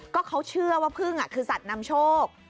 ก็เขาเชื่อว่าพึ่งคือสัตว์นำโชค